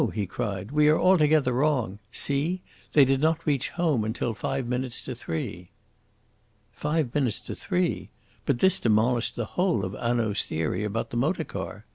he cried. "We are altogether wrong. See! They did not reach home until five minutes to three." Five minutes to three! But this demolished the whole of Hanaud's theory about the motor car.